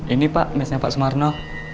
ini pak mesnya pak semarno